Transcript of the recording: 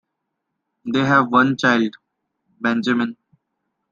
They have one child, Benjamin.